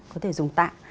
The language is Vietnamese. có thể dùng tạ